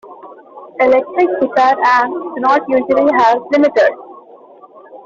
Electric guitar amps do not usually have limiters.